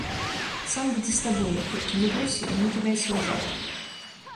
Сам будзе з табою, толькі не бойся і не кідайся ў жах.